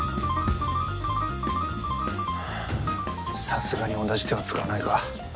さすがに同じ手は使わないか。